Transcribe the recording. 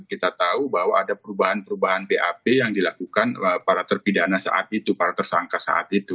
kita tahu bahwa ada perubahan perubahan bap yang dilakukan para terpidana saat itu para tersangka saat itu